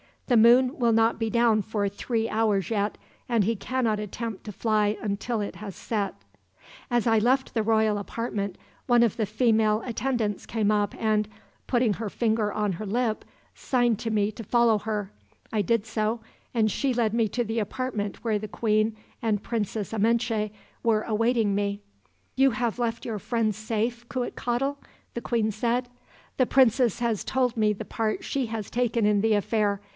The moon will not be down for three hours, yet, and he cannot attempt to fly until it has set.' "As I left the royal apartment, one of the female attendants came up and, putting her finger on her lip, signed to me to follow her. I did so, and she led me to the apartment where the Queen and Princess Amenche were awaiting me. "'You have left your friend safe, Cuitcatl?' the queen said. 'The princess has told me the part she has taken in the affair.